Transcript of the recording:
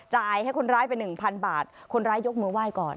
จ่ายให้คนร้ายไป๑๐๐๐บาทคนร้ายยกมือไหว้ก่อน